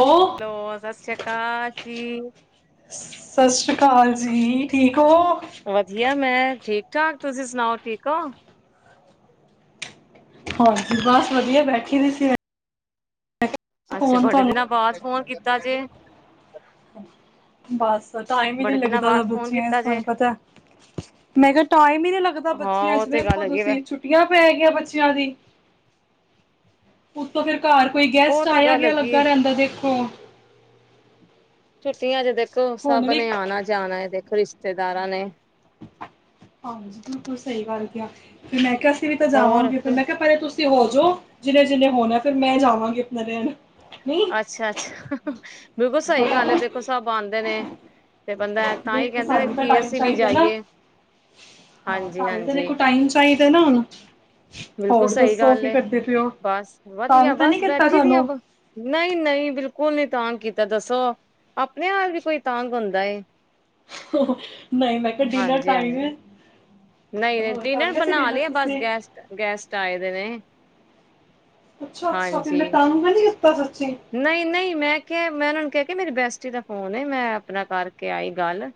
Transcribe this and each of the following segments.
ਉਹ ਹੈਲੋ, ਸਤਿ ਸ੍ਰੀ ਅਕਾਲ ਜੀ! ਸਤਿ ਸ਼੍ਰੀ [unintelligible] ਵਧੀਆ, ਮੈਂ ਠੀਕ। ਠਾਕ, ਤੁਸੀਂ ਸੁਣਾਓ ਠੀਕ ਹੋ। ਬਸ, ਵਧੀਆ ਬੈਠੀ ਦੀ ਸੀ। ਅੱਛਾ, ਫੋਨ ਬੜੇ ਤੁਹਾਨੂੰ ਦਿਨਾਂ ਬਾਅਦ ਫੋਨ ਕੀ ਤਜੇ ਬਸ, ਟਾਈਮ ਹੀ ਨੀ ਲੱਗਦਾ। ਬਾਅਦ ਫੋਨ ਕੀਤਾ ਜੇ ਮੈਂ ਕਿਹਾ, ਟਾਈਮ ਹਾਂ ਉਹ ਤੇ ਗੱਲ ਹੈਗੀ ਵ ਉ ਤੋਂ ਫਿਰ? ਘਰ ਕੋਈ ਉਹ ਗੈਸਟ ਤੇ ਗੱਲ ਆਇਆ-ਗਿਆ ਹੈਗੀ ਲੱਗਾ ਏ। ਰਹਿੰਦਾ, ਦੇਖੋ। ਛੁੱਟੀਆਂ ਹੁਣ ਸਭ ਵੀ ਨੇ ਆਉਣਾ-ਜਾਣਾ ਇਹਦੇ। ਰਿਸ਼ਤੇਦਾਰਾਂ ਨੇ। ਹਾਂਜੀ ਬਿਲਕੁਲ ਸਹੀ ਗੱਲ ਮੈਂ ਕਿਹਾ ਵੀ ਤਾਂ ਜਾਵਾਂਗੇ। ਫਿਰ ਮੈਂ ਕਿਹਾ, ਪਹਲੇ ਤੁਸੀਂ ਤੇ ਹੋਜੋ, ਜਿਹਨੇ-ਜਿਹਨੇ ਹੋ ਨਹੀਂ ਅੱਛਾ, ਅੱਛਾ। ਬਿਲਕੁਲ ਸਹੀ ਗੱਲ ਹੈ, ਦੇਖੋ ਸਭ ਆਉਂਦੇ ਨੇ। ਤੇ ਬੰਦਾ ਤਾਂ ਹੀ ਦੇਖੋ, ਕਹਿੰਦਾ ਸਾਨੂੰ ਤਾਂ ਕਿ ਟਾਈਮ ਅਸੀਂ ਵੀ ਚਾਹੀਦਾ ਨਾ। ਜਾਈਏ ਹਾਂ, ਹਾਂਜੀ ਸਾਨੂੰ ਤਾਂ ਹਾਂਜੀ ਦੇਖੋ, ਟਾਈਮ ਚਾਹੀਦਾ। ਤੇ ਨਾ ਹੁਣ। ਬਿਲਕੁਲ ਹੋਰ ਸਹੀ ਦੱਸੋ ਗੱਲ ਕੀ ਏ। ਕਰਦੇ ਪਏ ਹੋ ਬਸ ਤੰਗ ਵਧੀਆ, ਤਾਂ ਨਹੀਂ ਬਸ ਕੀਤਾ ਬੈਠੀ ਦੀ ਆ। ਤੁਹਾਨੂੰ ਨਹੀਂ, ਨਹੀਂ, ਬਿਲਕੁਲ ਹੁਣੇ। ਨਹੀਂ, ਮੈਂ ਕਿਹਾ, ਡਿਨਰ ਟਾਈਮ ਹਾਂਜੀ ਹੈ। ਨਹੀਂ, ਨਹੀਂ। ਹੋਰ ਕਰ ਡਿਨਰ ਸੀ ਬਣਾ ਡਿਨਰ ਲਿਆ, ਬਸ ਤੁਸੀਂ ਗੈਸਟ-ਗੈਸਟ ਆਏ ਦੇ ਨੇ। [inaudible] ਅੱਛਾ- ਅੱਛਾ। ਫਿਰ ਹਾਂਜੀ ਮੈਂ ਤੰਗ ਤੇ ਨੀ ਕਿਤਾ, ਸੱਚੀ? ਕਹਿੰਦੀ, ਮੇਰੀ ਬੈਸਟੀ ਦਾ ਫੋਨ ਐ। ਮੈਂ ਆਪਣਾ ਕਰਕੇ ਆਈ ਗੱਲ।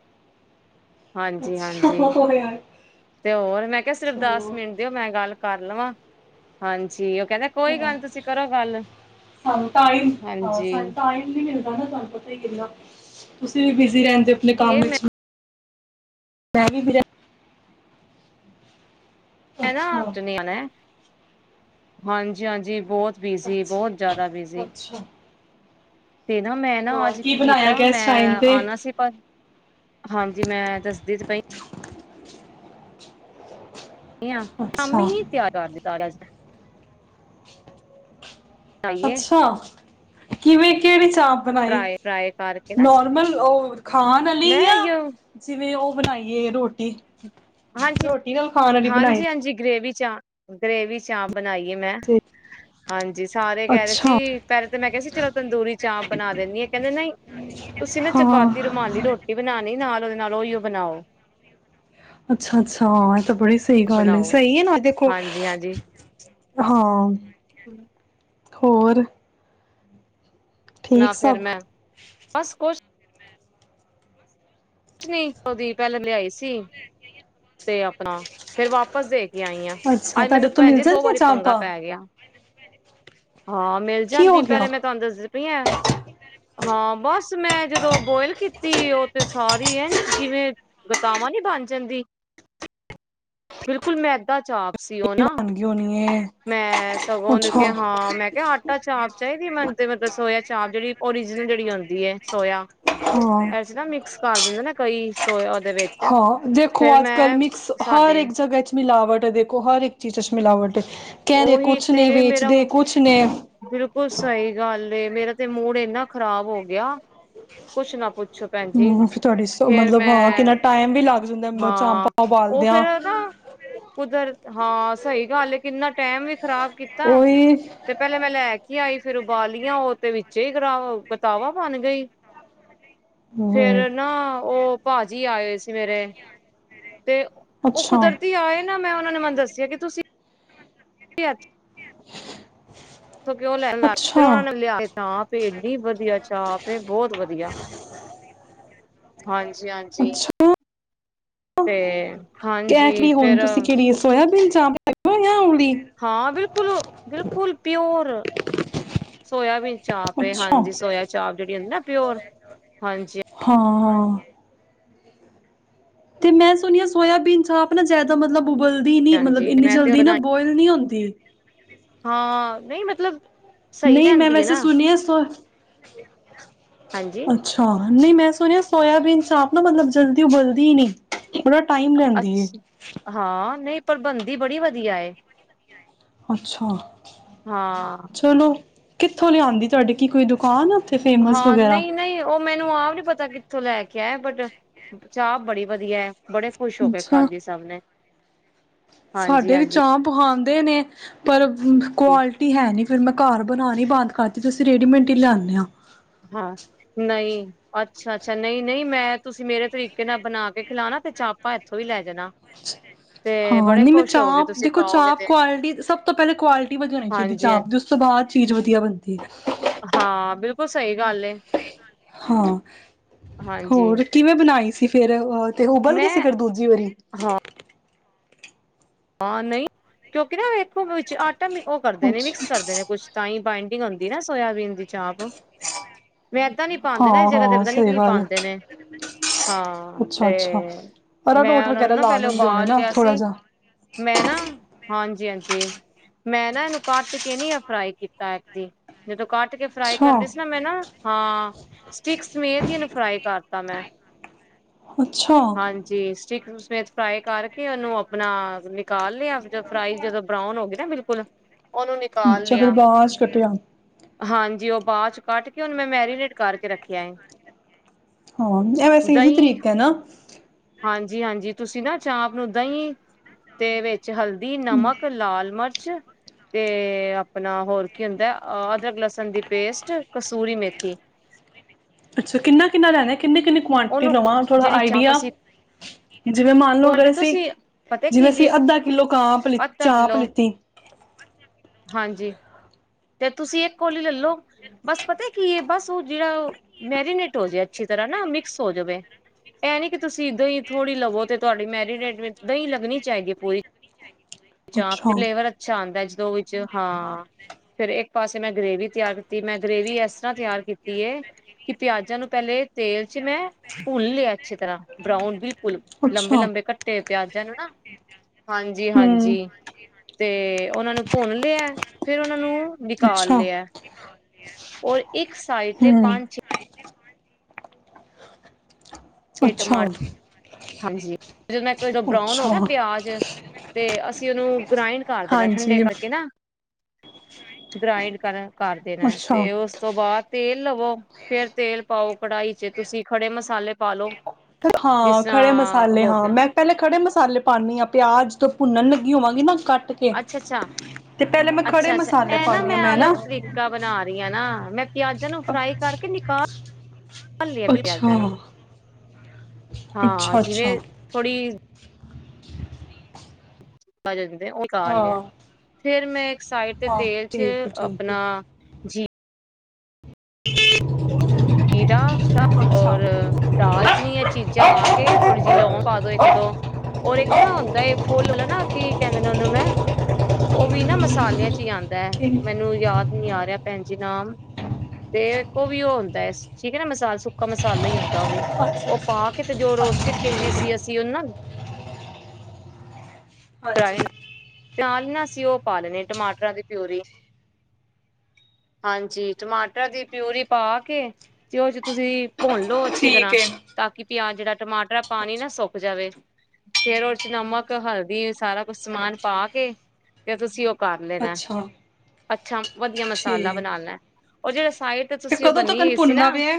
ਹਾਂਜੀ ਅੱਛਾ ਹਾਂਜੀ ਆ ਤੇ ਹੋਰ ਮੈਂ ਕਿਹਾ ਸਿਰਫ ਦਸ ਮਿੰਟ ਦਿਓ ਮੈਂ ਗੱਲ ਕਰ ਲਵਾਂ ਹਾਂਜੀ। ਕਹਿੰਦਾ ਕੋਈ ਹੂੰ ਗੱਲ ਨੀ ਤੁਸੀਂ ਕਰੋ ਗੱਲ ਸਾਨ ਟਾਈਮ ਨਹੀਂ ਹਾਂ‌ ਹਾਂਜੀ ਸਾਨ ਟਾਇਮ‌ ਨਹੀਂ ਮਿਲਦਾ ਤੁਹਾਨੂੰ ਪਤਾ ਕਿ ਹੈ ਕਿੰਨਾ ਤੁਸੀਂ ਵੀ ਬਿਜੀੀ ਰਹਿੰ। ਆਪਣੇ ਕੰਮ ਇਹ ਵਿੱਚ ਮੈਂ ਮੈਂ ਵੀ ਵਿਰ ਮੈਂ ਨਾ ਚਨਿਆਣਾ ਹਾਂਜੀ-ਹਾਂਜੀ ਬਹੁਤ ਬਿਜ਼ੀ ਅੱਛਾ ਬਹੁਤ ਜ਼ਿਆਦਾ ਬਿਜ਼ੀ। ਅੱਛਾ ਤੇ ਨਾ ਮੈਂ ਨਾ ਹੋਰ ਅੱਜ ਕੀ ਬਣਾਇਆ ਕੀਤਾ ਗਿਆ ਇਸ ਟਾਈਮ ਮੈਂ ਤੇ ਆਣਾ ਸੀ ਪਰ ਹਾਂਜੀ ਮੈਂ ਦੱਸਦੀ ਤੇ ਪਈ ਧੀਆਂ ਕੰਮ ਅੱਛਾ ਹੀ ਤਿਆਰ ਕਰਦੇ। ਸਾਰਾਥ ਅੱਛਾ ਕਿਵੇਂ ਕਿਹੜੀ ਚਾਮਪ ਬਣਾਈ ਫਰਾਏ ਫਰਾਏ ਕਰਕੇ ਨਾ ਨੋਰਮਲ ਉਹ ਖਾਣ ਮੈਂ ਵਾਲੀ ਆ ਜਿਵੇਂ ਉਹ ਬਣਾਈਏ ਰੋਟੀ ਰੋਟੀ ਨਾਲ ਖਾਣ ਵਾਲੀ ਬਣਾਈ ਚ ਗ੍ਰੇਵੀ ਚਾਮਪ ਬਣਾਈਏ ਮੈਂ ਸੀ ਹਾਂਜੀ ਸਾਰੇ ਕਹਿ ਰਹੇ ਅੱਛਾ ਸੀ ਪਹਿਲੇ ਤਾਂ ਮੈਂ ਕਿਹਾ ਸੀ ਚਲੋ ਤੰਦੂਰੀ ਚਾਮਪ ਬਣਾ ਦਿੰਦੀ ਆ, ਕਹਿੰਦੇ ਨਹੀ ਤੁਸੀਂ ਨਾ ਹਾਂ ਚਪਾਤੀ ਰੁਮਾਲੀ ਰੋਟੀ ਬਣਾਣੀ ਨਾਲ ਉਹਦੇ ਨਾਲ ਉਓਹੀਓ ਬਣਾਓ ਅੱਛਾ- ਅੱਛਾ ਹੋਰ ਤਾਂ ਬੜੀ ਸਹੀ ਗੱਲ ਹੈ ਬਣਾਓ ਸਹੀ ਹੈ ਨਾ ਦੇਖੋ- ਹਾਂਜੀ ਹਾਂਜੀ ਹਾਂ। [inaudible] ਹੋਰ? ਨਾ ਠੀਕ ਫੇਿਰ ਸਭ ਮੈਂ ਬਸ ਕੁਛ ਕੁਛ ਨੀ ਕਦੀ ਪਹਿਲਾਂ ਲਿਆਈ ਸੀ ਤੇ ਆਪਣਾ ਫੇਿਰ ਵਾਪਸ ਦੇ ਕੇ ਆਈਆਂ ਅੱਛਾ ਅੱਜ ਤੁਹਾਡੇ ਮੈਨੂੰ ਉੱਥੋਂ ਭੈਣ ਮਿਲ ਜੀ ਦੋ ਜਾਂਦੀਆਂ ਵਾਰੀ ਪੰਗਾ ਚਾਂਪਾਂ ਪੈ ਗਿਆ। ਹਾਂ ਮਿਲ ਕੀ ਹੋ ਜਾਂਦੀ ਗਿਆ ਪਹਿਲੇ ਮੈਂ ਤੁਹਾਨੂੰ ਦੱਸਦੀ ਹਾਂ ਬਸ ਮੈਂ ਜਦੋਂ ਬੋਇਲ ਕੀਤੀ ਉਹ ਤੇ ਸਾਰੀ ਐ ਜਿਵੇਂ ਗਤਾਵਾਂ ਨੀ ਬਣ ਜਾਂਦੀ ਬਿਲਕੁਲ ਮੈਦਾ ਚਾਪ ਸੀ ਉਹ ਨਾ ਬਣ ਗਈ ਹੋਣੀ ਹੈ ਮੈਂ ਸਗੋਂ ਉਹਨੂੰ ਅੱਛਾ ਕੇ ਹਾਂ ਮੈਂ ਕਿਹਾ ਆਟਾ ਚਾਪ ਚਾਹੀਦੀ ਮੈਨ ਮਤਲਬ ਸੋਇਆ ਚਾਪ ਜਿਹੜੀ ਓਰੀਜਨਲ ਜਿਹੜੀ ਆਉਂਦੀ ਹੈ ਸੋਇਆ ਹਾਂ ਨਾ ਮਿਕਸ ਕਰ ਦਿੰਦੇ ਨਾ ਕਈ ਸੋ ਹਾਂ ਦੇਖੋ ਆਜ ਕੱਲ ਮਿਕਸ ਹਰ ਸਾਡੇ ਇੱਕ ਜਗਾ ਚ ਮ ਲਵਡ ਦੇਖੋ ਹਰ ਇੱਕ ਚੀਜ਼ ਮਿਵਟ ਘਹਿਰੇ ਉਹੀ ਕੁੱਛ ਨੇ ਤੇ ਮੇਰਾ ਵੇਚਦੇ ਕੁਛ ਨੇ ਬਿਲਕੁਲ ਸਹੀ ਗੱਲ ਮੇਰਾ ਤੇ ਮੂਡ ਇੰਨਾ ਖ਼ਰਾਬ ਹੋ ਗਿਆ ਕੁੱਛ ਨਾ ਪੁੱਛ ਅੱਛਾ ਭੈਣਜੀ ਹਮ ਫਿਰ ਤੁਹਾਡੀ ਫਰ ਮਤਲਬ ਹਾਂ ਮੈਂ ਕਿੰਨਾ ਟਾਈਮ ਵੀ ਲੱਗ ਜਾਂਦਾ ਹਾਂ ਚਾਂਪਾਂ ਉਹ ਉਬਾਲਦਿਆਂ ਫੇਿਰ ਨਾ ਕੁਦਰ ਹਾਂ ਸਹੀ ਗੱਲ ਹੈ ਕਿੰਨਾ ਟੈਮ ਵੀ ਖ਼ਰਾਬ ਕੀਤਾ ਉਹੀ ਤੇ ਲੈ ਕੇ ਆਈ ਫਿਰ ਉਬਾਲੀਆਂ ਉਹ ਤੇ ਵਿੱਚ ਹੀ ਕਰਾ ਕਿਤਾਵਾ ਬਣ ਗਈ ਹੋਏ ਫੇਿਰ ਨਾ ਉਹ ਭਾਜੀ ਆਏ ਸੀ ਮੇਰੇ ਤੇ ਉਹ ਅੱਛਾ ਕੁਦਰਤੀ ਆਏ ਨਾ ਮੈਂ ਉਹਨਾਂ ਨੇ ਮੈਨੂੰ ਦੱਸਿਆ ਕਿ ਤੁਸੀਂ [unintelligible] ਸ ਕਿਉਂ ਲੈਣ ਲੱ ਫਿਰ ਅੱਛਾ ਉਹਨਾ ਨੂੰ ਲਿਆ ਚਾਹ ਪ ਏਨੀ ਵਧੀਆ ਚਾਹ ਪੇ ਬਹੁਤ ਵਧੀਆ ਹਾਂ ਹਾਂਜੀ ਹਾਂਜੀ ਤੇ ਕ ਹਾਂਜੀ ਕਿੜੀ ਹੁਣ ਫੇਰ ਤੁਸੀਂ ਕਿਹੜੀ ਸੋਇਬੀਨ [inaudible] ਹਾਂ ਬਿਲਕੁਲ ਬਿਲਕੁਲ ਪਿਓਰ ਸੋਆਬੀਨ ਚਾ ਪੇ ਅੱਛਾ ਹਾਂਜੀ ਸੋਇਆ ਚਾਪ ਜਿਹੜੀੁੰਦੀ ਨਾ ਪਿਓਰ ਹਾਂਜੀ ਹਾਂ ਤੇ ਮੈਂ ਸੁਣ ਸੋਇਆਬੀਨ ਚ ਆਪ ਨਾ ਜ਼ਿਆਦਾ ਮਤਲਬ ਬੁਬਲਦੀ ਨ ਮਤਲਬ ਹਾਂਜੀ ਇੰਨੀ ਮੈਂ ਤੇ ਜਲਦੀ ਨਾ ਬਣਾਈ ਬੁਆਇਲ ਨਹੀਂ ਹੁੰਦੀ ਹਾਂ ਨਹੀਂ ਮਤਲਬ ਸਹੀ ਨਹੀਂ ਮੈਂ ਰਹਿੰਦੀ ਹੈ ਵੈਸੇ ਨਾ ਸੁਣੀ ਹੈ ਸ ਹਾਂਜੀ ਅੱਛਾ ਨਹੀਂ ਮੈਂ ਸੁਣਿਆ ਸੋਇਆਬੀਨ ਚ ਆਪ ਆਪ ਨਾ ਮਤਲਬ ਜਲਦੀ ਉਬਲਦੀ ਹੀ ਨਹੀਂ ੜਾ ਟਾਈਮ ਲੈਂਦੀ ਪ੍ਰਬੰਦੀ ਬੜੀ ਵਧੀਆ ਅੱਛਾ ਹਾਂ ਚਲੋ ਕਿੱਥੋਂ ਲਿਆਉਂਦੀ ਤੁਹਾਡੇ ਕੀ ਕੋਈ ਦੁਕਾਨ ਆ ਫੇਮਸ ਹਾਂ ਵਗੈਰਾ ਨਹੀਂ ਨਹੀਂ ਉਹ ਮੈਨੂੰ ਆਪ ਨਹੀ ਪਤਾ ਕਿ ਥੋਂ ਲੈ ਕੇ ਆਏ ਬਟ ਚਾਹ ਬੜੀ ਵਧੀਆ ਹੈ ਬੜੇ ਖੁਸ਼ ਹੋ ਕੇ ਅੱਛਾ ਖਾਧੀ ਸਭ ਨੇ ਹਾਂਜੀ ਸਾਡੇ ਵੀ ਹਾਂਜੀ ਚਾਹ ਪਖਾਂਗੇ ਦੇ ਨੇ ਪਰ ਕੁਆਲਿਟੀ ਹੈ ਨਹੀਂ ਫਿਰ ਮੈਂ ਘਰ ਬਣਾਣੀ ਬੰਦ ਕਰਤੀ ਅਸੀਂ ਰੇਡੀਮੇਟ ਹੀ ਲਿਆਦੇ ਆਾਂ ਹਾਂ ਨਹੀਂ ਅੱਛਾ ਅੱਛਾ ਨਹੀਂ ਨਹੀਂ ਮੈਂ ਤੁਸੀਂ ਮੇਰੇ ਤਰੀਕੇ ਨਾਲ ਬਣਾ ਕੇ ਖਿਲਾਣਾ ਤੇ ਚਾਪਾਂ ਇੱਥੋਂ ਹੀ ਲੈ ਜਾਣਾ ਤੇ ਹਾਂ ਬੜੇ ਨਹੀਂ ਮੈਂ ਖੁਸ਼ ਹੋਗੇ ਚਾਪ ਤੁਸੀਂ ਦੇਖੋ ਖਾਓਗੇ ਚਾਪ ਤੇ ਕੁਆਲਿਟੀ ਸਭ ਤੋਂ ਪਹਿਲਾਂ ਕੁਆਲਿਟੀ ਵਧ ਹੋਉਣੀ ਚਾਹੀਦੀ ਹਾਂਜੀ ਹਾਂ ਚਾਪ ਦੀ ਉਸ ਤੋਂ ਬਾਅਦ ਚੀਜ਼ ਵਧੀਆ ਬਣਦੀ ਹਾਂ ਬਿਲਕੁਲ ਸਹੀ ਗੱਲ ਹਾਂ ਹਾਂਜੀ ਹੋਰ ਕਿਵੇਂ ਬਣਾਈ ਅਸੀਂ ਫੇਿਰ ਉਹ ਤੇ ਉਬਲ ਗਈ ਸੀ ਮੈਂ ਫਿਰ ਦੂਜੀ ਵਾਰੀ ਹਾਂ ਨਹੀਂ ਕਿਉਂਕਿ ਨਾ ਵਿੱਚ ਆਟਾ ਉਹ ਕਰਦੇ ਨੇ ਅੱਛਾ, ਮਿਕਸ ਕਰਦੇ ਨੇ ਕੁਛ ਤਾਂ ਹੀ ਬ ਆਉਂਦੀ ਨਾ ਸੋਇਆਬੀਨ ਦੀ ਚਾਪ ਮੈਂ ਇਦਾਂ ਨੀ ਪਾਉਦੇ ਨਾ ਇਸ ਹਾਂ ਜਗ੍ਹਾ ਤੇ ਹਾਂ ਪਤਾ ਨੀ ਸਹੀ ਕੀ ਗੱਲ ਐ, ਪਾਉਂਦੇ ਨੇ ਹਾਂ ਅੱਛਾ ਤੇ ਅੱਛਾ। ਮੈਂ ਅਰਾਰੋਟ ਉਹਨਾਂ ਨੂੰ ਵਗੈਰਾ ਨਾ ਲਾ ਪਹਿਲੇ ਦਿੰਦੇ ਹੋਣੇ ਉਬਾਲ ਨਾ ਲਿਆ ਥੋੜਾ ਸੀ ਜਾ, ਮੈਂ ਨਾ ਹਾਂਜੀ ਹਾਂਜੀ ਮੈਂ ਨਾ ਇਹਨੂੰ ਕੱਟ ਕੇ ਨੀ ਆ ਫਰਾਈ ਕੀਤਾ ਇੱਕ ਜ ਜਦੋਂ ਕੱਟ ਕੇ ਫਰਾਈ ਅੱਛਾ। ਕਰਦੀ ਸੀ ਨਾ ਮੈਂ ਨਾ ਹਾਂ ਸਟਿਕ ਸਮੇਤਨ ਫਰਾਈ ਕਰ ਸਮ ਮੈਂ ਅੱਛਾ, ਹਾਂਜੀ ਸਟਕ ਵਿੱਚ ਫਰਾਈ ਕਰਕੇ ਉਹਨੂੰ ਆਪਣਾ ਨਿਕਾਲ ਲਿਆ ਫਰਾਈ ਜਦੋਂ ਬਰਾਊਨ ਹੋ ਗਈ ਨਾ ਬਿਲਕੁਲ ਉਹਨੂੰ ਨਿਕਾਲ ਅੱਛਾ ਫੇਿਰ ਲਿਆ ਬਾਅ ਚ ਕੱਟਿਆ ਹਾਂਜੀ ਉਹ ਬਾਅਦ ਚ ਕੱਢ ਕੇ ਉਹਨੂੰ ਮੈਂ ਮੈਰੀਨੇਟ ਕਰਕੇ ਰੱਖਿਆ ਹਾਂ ਇਹ ਵੈਸੇ ਇਹੀ ਦਹੀਂ ਤਰੀਕਾ ਹੈ ਨਾ ਹਾਂਜੀ ਹਾਂਜੀ ਤੁਸੀਂ ਨਾ ਚਾਂ ਆਪ ਨੂੰ ੱਦਾਂ ਹੀ ਤੇ ਵਿੱਚ ਹਲਦੀ ਨਮਕ ਲਾਲ ਮਿਰਚ ਤੇ ਆਪਣਾ ਹੋਰ ਕੀ ਹੁੰਦਾ ਅਦਰਕ ਲਸਣ ਦੀ ਪੇਸਟ ਕਸੂਰੀ ਮੇਥੀ ਅੱਛਾ ਕਿੰਨਾ ਕਿੰਨਾ ਲੈਣਾ ਕਿੰਨਨੀ ਕਿੰਨਨੀ ਕੁਆਂਟਿਟੀ ਉਹਨੂੰ ਲਵਾਂ ਥੋੜ੍ਹਾ ਜਿਹੜੀ ਚਾਪ ਆਈਡੀਆ ਅਸੀਂ ਜਿਵੇਂ ਮੰਨ ਲਓ ਕਵਾਂਟਿਟੀ ਅਗਰ ਅਸੀਂ ਤੁਸੀਂ ਪਤਾ ਕੀ ਜਿਵੇਂ ਅਸੀਂ ਜੀ ਅੱਧਾ ਕਿੱਲੋ ਕਾਂਪ ਲ ਅੱਧਾ ਚਾਪ ਕਿੱਲੋ ਲਿੱਤੀ ਹਾਂਜੀ ਤੇ ਤੁਸੀਂ ਇੱਕ ਕੋਲੀ ਲੈਲੋ ਬਸ ਪਤਾ ਕੀ ਹੈ ਬਸ ਉਹ ਜਿਹੜਾ ਮੈਰੀਨੇਟ ਹੋ ਜਾੇ ਅੱਛੀ ਤਰ੍ਹਾਂ ਨਾ ਮਿਕ ਹੋ ਜਾਵੇ ਇਹ ਨੀ ਕਿ ਤੁਸੀਂ ਦਹੀਂ ਥੋੜ੍ਹੀ ਲਵੋ ਤੇ ਤੁਹਾਡੀ ਮੈਰੀਨੇਟ ਦਹੀਂ ਲੱਗਣੀ ਚਾਹੀਦੀ ਹੈ ਪੂਰੀ ਤੇ ਚਾਪ ਤੇ ਅੱਛਾ। ਫਲੇਵਰ ਅੱਛਾ ਆਉਂਦਾ ਦੋ ਵਿੱਚ ਹਾਂ ਫੇਿਰ ਇੱਕ ਪਾਸੇ ਮੈਂ ਗਰੇਵੀ ਤਿਆਰ ਕੀਤੀ ਮੈਂ ਗਰੇਵੀ ਇਸ ਤਰ੍ਹਾਂ ਤਿਆਰ ਕੀਤੀ ਹੈ ਕਿ ਪਿਆਜਾਂ ਨੂੰ ਪਹਿਲੇ ਤੇਲ ਮੈਂ ਭੁਨ ਲਿਆ ਅੱਛੀ ਤਰ੍ਹਾਂ ਬਰਾਉਨ ਬਿਲਕੁਲ ਲੰਬੇ ਅੱਛਾ। ਲੰਬੇ ਘੱਟੇ ਪਿਆਜਾਂ ਨੂੰ ਨਾ ਹਾਂਜੀ ਹਾਂਜੀ ਹੂੰ, ਜੀ, ਤੇ ਉਹਨਾਂ ਨੂੰ ਭੁੰਨ ਲਿਆ, ਫੇਿਰ ਉਹਨਾਂ ਨੂੰ ਨਿਕਾਲ ਅੱਛਾ, ਲਿਆ। ਔਰ ਇੱਕ ਸਾਈਡ ਤੇ ਹੂੰ, ਪੰਜ, ਛੇ ਅੱਛਾ, ਟਮਾਟਰ, ਹਾਂਜੀ। ਜਦ ਬਰਾਉਨ ਹੋ ਅੱਛਾ। ਗਿਆ ਨਾ ਪਿਆਜ ਤੇ, ਅਸੀਂ ਉਹਨੂੰ ਗ੍ਰਾਇੰਡ ਕਰ ਦੇਣਾ ਠੰਡੇ ਹਾਂਜੀ, ਕਰਕੇ ਨਾ। ਗਰਾਇੰਡ ਕਰ ਕਰ ਦੇਣਾ ਅੱਛਾ। ਤੇ ਉਸ ਤੋਂ ਬਾਅਦ ਤੇ, ਲਵੋ। ਫੇਰ ਤੇਲ ਪਾਓ ਕੜਾਹੀ ਚ, ਤੁਸੀਂ ਖੜੇ ਮਸਾਲੇ ਪਾ ਲੋ। ਹਾਂ। ਜਿਸ ਖੜੇ ਤਰ੍ਹਾਂ ਮਸਾਲੇ ਹੋ ਹਾਂ। ਗਿਆ ਮੈਂ ਪਹਿਲਾਂ ਖੜੇ ਮਸਾਲੇ ਪਾਉਦੀ ਹਾਂ। ਪਿਆਜ ਤੋਂ ਭੁੰਨਣ ਲੱਗੀ ਹੋਵਾਂਗੀ ਨਾ। ਕੱਟ ਕੇ ਅੱਛਾ, ਅੱਛਾ, ਤੇ ਪਹਿਲੇ ਮੈਂ ਖੜੇ ਅੱਛਾ, ਅੱਛਾ। ਮਸਾਲੇ ਇਹ ਨਾ ਪਾਨੀ ਆ ਮੈਂ ਅਲੱਗ ਨਾ ਤਰੀਕਾ ਬਣਾ ਰਹੀ ਹਾਂ ਨਾ। ਮੈਂ ਪਿਆਜਾਂ ਨੂੰ ਫਰਾਈ ਕਰਕੇ ਨਿਕਾਲ- ਹਿਲਾਏ ਅੱਛਾ, ਜਾਣ। ਹਾਂ, ਅੱਛਾ, ਅੱਛਾ। ਜਿਵੇਂ ਥੋੜ੍ਹੀ [inaudible] ਭਰਨ [unintelligible] ਉਹ ਲਿਆ ਹਾਂ, ਫਿਰ ਮੈਂ ਇੱਕ ਸਾਈਡ ਤੇ ਹਾਂ ਤੇਲ ਠੀਕ ਚ ਏ, ਠੀਕ ਏ। ਆਪਣਾ ਜੀਰਾ [inaudible] ਜ਼ੀਰਾ ਅੱਛਾ, ਔਰ ਦਾਲਚੀਨੀ ਚੀਜ਼ਾਂ ਪਾ ਕੇ ਥੋੜੀ ਜਿਹੀ ਲੋਂਗ ਪਾ ਦੋ। ਇੱਕ, ਦੋ ਔਰ ਇੱਕ ਨਾ ਹੁੰਦਾ ਫੁੱਲਾ ਨਾਂ ਕੀ ਕਹਿੰਦੇ ਨੇ, ਉਹਨੂੰ ਮੈਂ ਉਹ ਵੀ ਨਾ ਮਸਾਲਿਆਂ ਚ ਹੀ ਆਉਂਦਾ ਹੈ। ਠੀਕ ਮੈਨੂੰ ਯਾਦ ਨੀ ਆ ਰਿਹਾ ਭੈਣ ਜੀ, ਨਾਮ ਤੇ ਉਹ ਵੀ ਉਹ ਹੁੰਦਾ, ਠੀਕ ਨਾ ਮਸਾਲਾ, ਸੁੱਕਾ ਮਸਾਲਾ ਹੀ ਹੁੰਦਾ। ਤਾਂ ਵੀ ਅੱਛਾ, ਉਹ ਅੱਛਾ ਪਾ ਕੇ ਤੇ ਜੋ ਰੋਸਟਿਡ ਠੀਕ ਕੀਤੀ ਏ। ਸੀ ਅਸੀਂ ਉਹ ਨਾ, ਹਾਂਜੀ। ਗ੍ਰਾਇੰਡ ਤੇ ਨਾ ਅਸੀਂ ਉਹ ਪਾ ਲੈਣੇ ਟਮਾਟਰਾਂ ਦੀ ਪਿਊਰੀ। ਹਾਂਜੀ ਟਮਾਟਰਾਂ ਦੀ ਪਿਊਰੀ ਪਾ ਕੇ ਤੇ ਉਹ ਚ ਤੁਸੀਂ ਭੁੰਨ ਲਓ ਅੱਛੀ ਠੀਕ ਤਰ੍ਹਾਂ ਏ। ਤਾਂ ਕਿ ਪਿਆਜ ਜਿਹੜਾ ਟਮਾਟਰ, ਪਾਣੀ ਨਾ ਸੁੱਕ ਜਾਵੇ। ਫੇਰ ਉਹਦੇ ਚ ਨਮਕ, ਹਲਦੀ, ਸਾਰਾ ਕੁਛ ਸਮਾਨ ਪਾ ਕੇ ਫਿਰ ਤੁਸੀਂ ਉਹ ਕਰ ਲੈਣਾ। ਅੱਛਾ, ਅੱਛਾ ਵਧੀਆ ਮਸਾਲਾ ਠੀਕ। ਬਣਾ ਲੈ। ਉਹ ਜੇ ਅਸੀਂ [unintelligible] [unintelligible] ਤੇ ਤੁਸੀਂ ਉਹ ਕਦੋਂ ਬੰਨੀ ਤੱਕਨ ਹੋਈ ਸੀ ਭੁੰਨਨਾ ਨਾ। ਵੇ ਐ?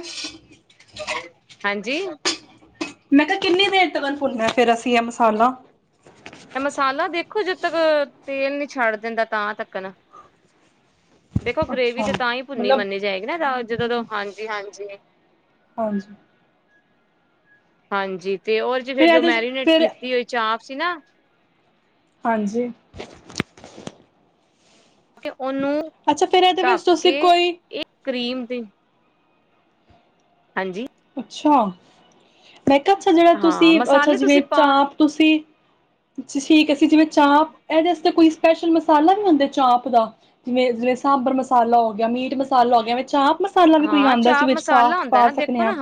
ਹਾਂਜੀ। ਮੈਂ ਕਿਹਾ ਕਿੰਨੀ ਦੇਰ ਤਕਨ ਭੁੰਨਨਾ ਫਿਰ ਅਸੀਂ ਇਹ ਮਸਾਲਾ ਮਸਾਲਾ ਦੇਖੋ ਜਦ ਤੱਕ ਤੇਲ ਨੀ ਛੱਡ ਦਿੰਦਾ ਤਾਂ ਤੱਕਨ ਦੇਖੋ ਗਰੇਵੀ ਅੱਛਾ ਤੇ ਤਾਂ ਹੀ ਭੁੰਨੀ ਮਤਲਬ ਮੰਨੀ ਜਾਏਗੀ ਨਾ ਜਦੋਂ ਤੋਂ ਹਾਂਜੀ ਹਾਂਜੀ ਹਾਂਜੀ ਹਾਂਜੀ ਤੇ ਉਹਦੇ ਚ ਫਿਰ ਜੋ ਮੈਰੀਨੇਟ ਕੀਤੀ ਹੋਈ ਚਾਪ ਸੀ ਨਾ ਹਾਂਜੀ ਓ [unintelligible] ਉਹਨੂੰ ਅੱਛਾ ਫੇਰ ਇਹਦੇ ਵਿੱਚ ਢੱਕ ਤੁਸੀਂ ਕੇ ਕੋਈ ਇਹ ਕਰੀਮ ਤੇ [unintelligible] ਹਾਂਜੀ ਅੱਛਾ ਮੈਂ ਕਿਹਾ ਅੱਛਾ ਜਿਹੜਾ ਹਾਂ ਤੁਸੀਂ ਅੱਛਾ ਮਸਾਲੇ ਜਿਵੇਂ ਤੁਸੀਂ ਪਾ ਚਾਪ ਤੁਸੀਂ ਠੀਕ ਹੈਸੀ ਜਿਵੇਂ ਚਾਂਪ ਇਹਦੇਾਸਤੇ ਕੋਈ ਸਪੈਸ਼ਲ ਮਸਾਲਾ ਵੀ ਹੁੰਦਾ ਚਾਪ ਦਾ ਜਿਵੇਂ ਜਿਵੇਂ ਸਾਂਬਰ ਮਸਾਲਾ ਹੋ ਗਿਆ ਮੀਟ ਮਸਾਲਾ ਹੋ ਗਿਆ ਐਵੇ ਚਾਂਪ ਮਸਾਲਾ ਵੀ ਕੋਈ ਹਾਂ ਆਉਂਦਾਸੀ ਚਾਪ ਵਿੱਚ ਪਾ ਮਸਾਲਾ ਕੇ ਹੁੰਦਾ ਪਾ ਨਾ ਸਕਨੇ ਦੇਖੋ ਆ ਨਾ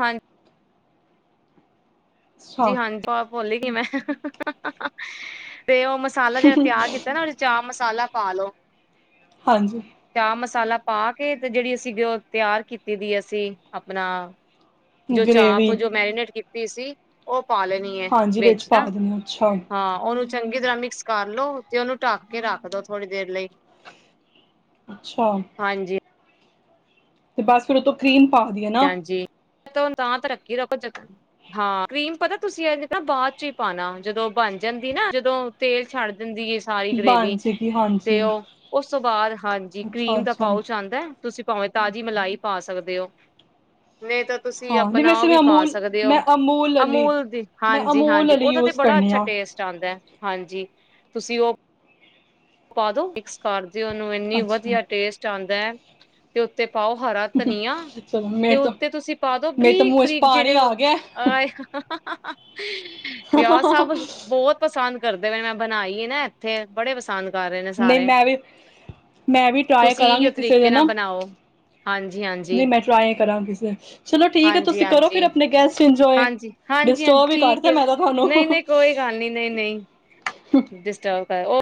ਅੱਛਾ ਜੀ ਹਾਂਜੀ ਭ ਬੋਲੇਗੀ ਮੈਂ [unintelligible] ਤੇ ਉਹ ਮਸਾਲਾ ਜਿਹੜਾ ਤਿਆਰ ਕੀਤਾ ਨਾ ਉਹਦੇ ਚਾਅ ਮ ਮਸਾਲਾ ਪਾ ਲਓ ਹਾਂਜੀ ਮਸਾਲਾ ਪਾ ਕੇ ਤੇ ਜਿਹੜੀ ਅਸੀਂ [unintelligible] ਤਿਆਰ ਕੀਤੀ ਦੀ ਅਸੀਂ ਆਪਣਾ ਜੋ ਗ੍ਰੇਵੀ ਚਾਪ ਜੋ ਮੈਰੀਨੇਟ ਕੀ ਪੀ ਸੀ ਓਹ ਪਾ ਲੈਣੀ ਆ ਹਾਂਜੀ ਵਿੱਚ ਪਾ ਨਾ ਦਿੰਦੇ ਅੱਛਾ ਹਾਂ ਉਹਨੂੰ ਚੰਗੀ ਤਰ੍ਹਾਂ ਮਿਕਸ ਕਰ ਲੋ ਤੇ ਉਹਨੂੰ ਢੱਕ ਕੇ ਰੱਖ ਦੋ ਥੋੜ੍ਹੀ ਦੇਰ ਲਈ ਅੱਛਾ ਹਾਂਜੀ ਤੇ ਬਸ ਫੇਿਰ ਉਹ ਤੋਂ ਕਰੀਮ ਪਾ ਦੀਆਂ [unintelligible] ਨਾ ਹ ਤਾਂ ਰੱਖੀ ਰੱਖੋ ਜ ਹਾਂ ਕੀਮ ਪਤਾ ਤੁਸੀਂ ਇਹ ਨਾ ਬਾਅਦ ਚ ਹੀ ਪਾਉਣਾ ਜਦੋਂ ਬਣ ਜਾਂਦੀ ਨਾ ਜਦੋਂ ਤੇਲ ਛੱਡ ਦਿੰਦੀ ਹੈ ਸਾਰੀ ਬਣ ਗ੍ਰੇਵੀ ਜਾਏਗੀ ਤੇ ਹਾਂਜੀ ਉਹ ਉਸ ਤੋਂ ਬਾਅਦ ਹਾਂਜੀ ਅੱਛਾ ਕਰੀਮ ਦਾ ਅੱਛਾ ਪਾਓ ਚ ਆਉਂਦਾ ਹੈ ਤੁਸੀਂ ਭਾਵੇਂ ਤਾਜ਼ੀ ਮਲਾਈ ਪਾ ਸਕਦੇ ਹੋ ਨਹੀਂ ਤਾਂ ਤੁਸੀਂ ਹਾਂ ਨਹੀਂ ਆਪਣਾ ਉਹ ਵੈਸੇ ਵੀ ਮੈਂ ਪਾ ਅਮੂਲ ਸਕਦੇ ਹੋ ਮੈਂ ਵਾਲੀ ਅਮੂਲ ਦੀ ਮੈਂ ਹਾਂਜੀ ਅਮੂਲ ਹਾਂਜੀ ਵਾਲੀ ਉਹਦਾ ਤਾਂ ਯੂਜ ਬੜਾ ਕਰਨੀ ਅੱਛਾ ਆ ਟੇਸਟ ਆਉਂਦਾ ਹਾਂਜੀ ਤੁਸੀਂ ਉਹ ਪਾ ਦੋ ਮਿਕਸ ਕਰ ਦਿ ਉਹਨੂੰ ਇੰਨੀ ਅੱਛਾ ਵਧੀਆ ਟੇਸਟ ਆਉਂਦੀ। ਤੇ ਉੱਥੇ। ਪਾਓ ਹਰਾ ਧਨੀਆ, ਚਲੋ ਤੇ ਮੇਰੇ ਤਾਂ ਉੱਤੇ ਤੁਸੀਂ ਪਾ ਦੋ ਮੇਰੇ ਤਾਂ ਬਰੀਕ ਮੂੰਹ ਚ ਬਰੀਕ। ਪਾਣੀ ਜਿਹੜੇ ਆ ਗਿਆ ਆਏ ਵਿਆਹ, ਸਭ ਬਹੁਤ ਪਸੰਦ। ਕਰਦੇ ਪ, ਮੈਂ ਬਣਾਈ ਨਾ। ਇੱਥੇ ਬੜੇ। ਸਾਨ ਨਹੀਂ, ਮੈਂ ਵੀ, ਮੈਂ ਵੀ ਟਰਾਈ ਤੁਸੀਂ ਕਰਾਂਗੀ ਇਹੀਓ ਕਿਸੇ ਦੇ ਤਰੀਕੇ ਨਾਲ। ਬਣਾਓ। ਹਾਂਜੀ-ਹਾਂਜੀ, ਨਹੀਂ, ਮੈਂ ਟਰਾਈ ਕਰਾਂ ਕਿਸੇ। ਚਲੋ ਠੀਕ ਹੈ, ਤੁਸੀਂ ਕਰੋ ਫਿਰ ਹਾਂਜੀ-ਹਾਂਜੀ, ਆਪਣੇ ਗੈਸਟ। ਇੰਜੋਏ ਹਾਂਜੀ, ਹਾਂਜੀ, ਹਾਂਜੀ। ਡਿਸਟਰਬ ਹੀ ਠੀਕ ਕਰਤਾ ਹੈ। ਮੈਂ ਤਾਂ ਨਹੀਂ, ਤੁਹਾਨੂੰ ਨਹੀਂ, ਕੋਈ ਗੱਲ ਨਹੀਂ। ਨਹੀਂ, ਨਹੀਂ, ਡਿਸਟਰਬ ਕਰ।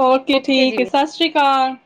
ਓਕੇ, ਠੀਕ। ਸਤਿ ਸ਼੍ਰੀ ਅਕਾਲ।